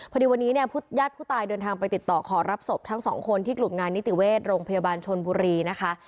พอดีวันนี้เนี่ยญาติผู้ตายเดินทางไปติดต่อขอรับศพทั้งสองคนที่กลุ่มงานนิติเวชโรงพยาบาลชนบุรีนะคะ